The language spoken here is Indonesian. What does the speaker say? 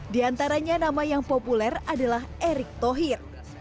di antaranya nama yang populer adalah erick thohir